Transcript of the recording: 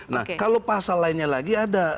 nah kalau pasal lainnya lagi ada